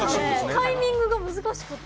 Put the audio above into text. タイミングが難しかった。